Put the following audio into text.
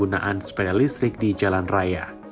penggunaan sepeda listrik di jalan raya